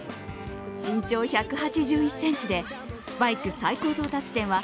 身長１８１ｃｍでスパイク最高到達点は３ｍ９ｃｍ。